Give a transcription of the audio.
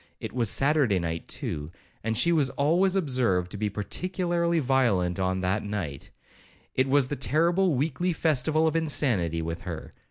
It was Saturday night, too, and she was always observed to be particularly violent on that night,—it was the terrible weekly festival of insanity with her.